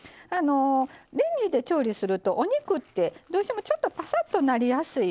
レンジで調理するとお肉ってどうしてもちょっとぱさっとなりやすい。